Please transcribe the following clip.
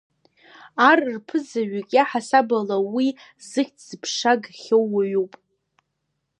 Ар рԥызаҩык иаҳасабала уи зыхьӡ-зыԥша гахьоу уаҩуп.